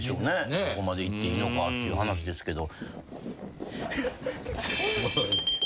どこまでいっていいのかっていう話ですけど。